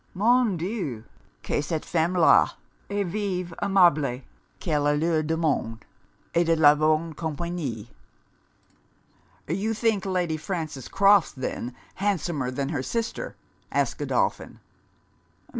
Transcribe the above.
Mon Dieu! que cette femme la, est vive, aimable; qu'elle a l'air du monde, et de la bonne compagnie.' 'You think Lady Frances Crofts, then, handsomer than her sister?' asked Godolphin.